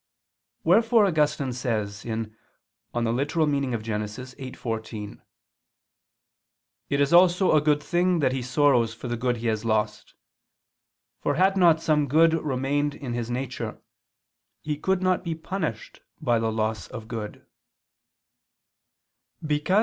Wherefore Augustine says (Gen. ad lit. viii, 14): "It is also a good thing that he sorrows for the good he has lost: for had not some good remained in his nature, he could not be punished by the loss of good."